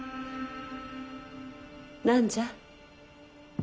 何じゃ？